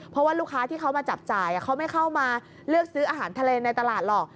เพราะว่าลูกค้าที่เขามาจับจ่ายเขาไม่เข้ามาเลือกซื้ออาหารทะเลในตลาดหรอก